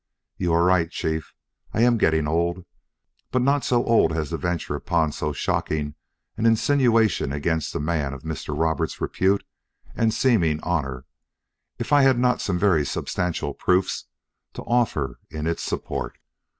"You are right, Chief: I am getting old but not so old as to venture upon so shocking an insinuation against a man of Mr. Roberts' repute and seeming honor, if I had not some very substantial proofs to offer in its support."